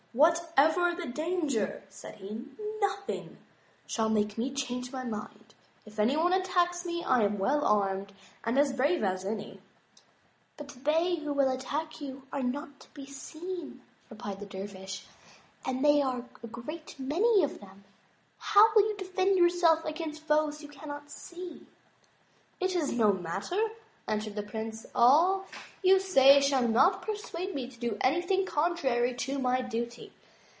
" Whatever the danger," said he, "nothing shall make me change my mind. If any one attacks ine, I am well armed, and as brave as any." "But they who will attack 64 THE TREASURE CHEST you are not to be seen," replied the dervish, "and there are a great many of them. How will you defend yourself against foes you cannot see?" It is no matter," answered the Prince, "all you say shall not persuade me to do anything contrary to my duty.